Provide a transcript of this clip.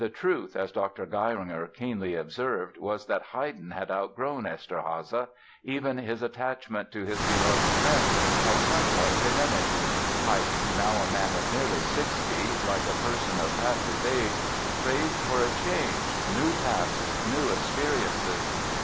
The truth, as Dr. Geiringer keenly observes, was that "Haydn had outgrown Eszterháza.... Even his attachment to his beloved prince had somewhat diminished. Haydn, now a man of nearly 60, like a person of half his age, craved for a change, new tasks, new experiences.